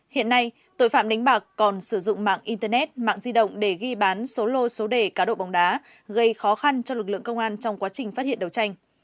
hiện nay tội phạm đánh bạc còn sử dụng mạng internet mạng di động để ghi bán số lô số đề cáo độ bóng đá gây khó khăn cho lực lượng công an trong quá trình phát hiện đấu tranh